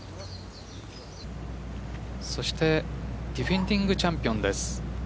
そしてディフェンディングチャンピオンです。